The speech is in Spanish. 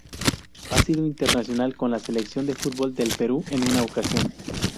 Ha sido internacional con la Selección de fútbol del Perú en una ocasión.